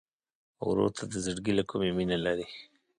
ورور ته د زړګي له کومي مینه لرې.